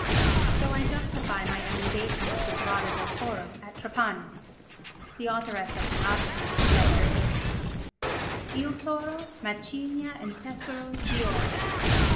So I justify my emendation of the "grotta del toro" at Trapani. [The Authoress of the Odyssey, Chap. VIII.] "Il toro macigna un tesoro di oro."